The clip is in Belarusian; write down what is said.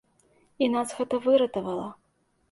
І нас гэта выратавала.